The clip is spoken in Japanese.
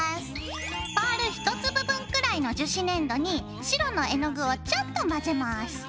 パール１粒分くらいの樹脂粘土に白の絵の具をちょっと混ぜます。